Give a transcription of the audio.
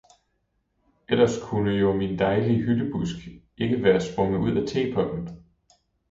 ellers kunne jo min dejlige hyldebusk ikke være sprunget ud af tepotten!